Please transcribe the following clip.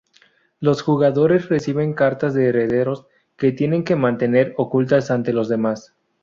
Los jugadores reciben cartas de herederos, que tienen que mantener ocultas ante los demás.